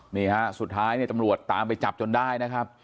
นี่สุดท้ายจำลวดตามไปจับจนได้